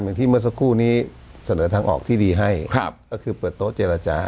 ที่เมื่อสักครู่นี้เสนอทางออกที่ดีให้ครับก็คือเปิดโต๊ะเจรจา